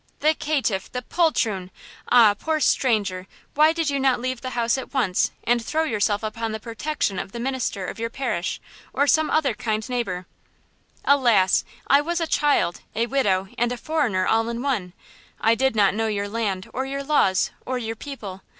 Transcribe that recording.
"The caitiff! The poltroon! Ah, poor stranger, why did you not leave the house at once and throw yourself upon the protection of the minister of your parish or some other kind neighbor?" "Alas! I was a child, a widow and a foreigner all in one! I did not know your land or your laws or your people.